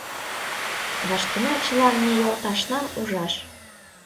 Вашкена чылан ме йолташнам ужаш.